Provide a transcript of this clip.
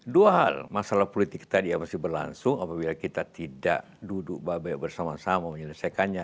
dua hal masalah politik tadi yang masih berlangsung apabila kita tidak duduk bersama sama menyelesaikannya